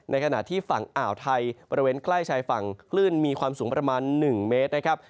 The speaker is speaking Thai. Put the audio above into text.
ขณะที่ฝั่งอ่าวไทยบริเวณใกล้ชายฝั่งคลื่นมีความสูงประมาณ๑เมตรนะครับ